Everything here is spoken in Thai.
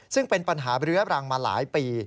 ซึ่งเป็นปัญหาเรื้อรังมาหลายปี